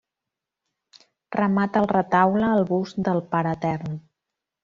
Remata el retaule el bust del Pare Etern.